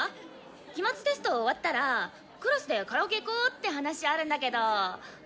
期末テスト終わったらクラスでカラオケ行こうって話あるんだけどみんなどう？